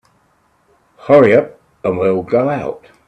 Hurry up and we'll go out.